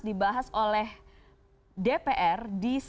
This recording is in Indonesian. dibahas oleh dpr